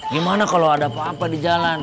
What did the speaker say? gimana kalau ada apa apa di jalan